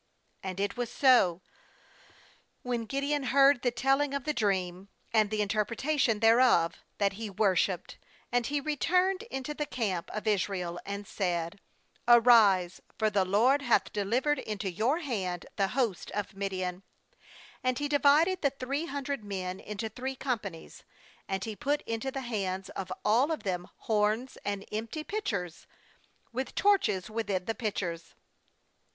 15And it was so, when Gideon heard the telling of the dream, and the inter pretation thereof, that he worshipped; and he returned into the camp of Israel, and said* "Arise; for the LORD hath delivered into your hand the host of Midian.' 16And he divided the three hundred men into three companies, and he put into the hands of all of them horns, and empty pitchers, with torches within the pitchers.